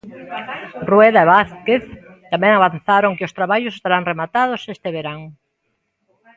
Rueda e Vázquez tamén avanzaron que os traballos estarán rematados este verán.